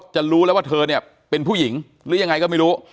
จะรู้แล้วว่าเธอเนี่ยเป็นผู้หญิงหรือยังไงก็ไม่รู้